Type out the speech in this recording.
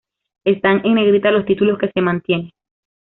Están en negrita los títulos que se mantiene.